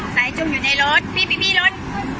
ใส่จุ่มอยู่ในรถพี่พี่พี่รถ